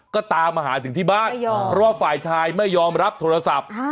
ก็ตามมาหาถึงที่บ้านเพราะว่าฝ่ายชายไม่ยอมรับโทรศัพท์